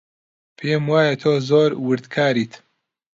پێم وایە تۆ زۆر وردکاریت.